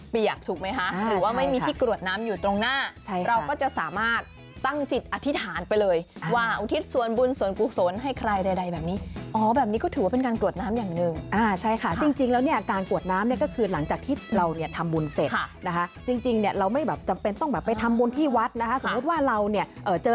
ไปเลยว่าอุทิศส่วนบุญส่วนกุศลให้ใครใดแบบนี้อ๋อแบบนี้ก็ถือว่าเป็นการกวดน้ำอย่างหนึ่งอ่าใช่ค่ะจริงจริงแล้วเนี่ยการกวดน้ำเนี่ยก็คือหลังจากที่เราเนี่ยทำบุญเสร็จค่ะนะคะจริงจริงเนี่ยเราไม่แบบจำเป็นต้องแบบไปทำบุญที่วัดนะคะสมมุติว่าเราเนี่ยเอ่อเ